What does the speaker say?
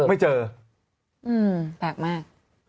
แปลกมาก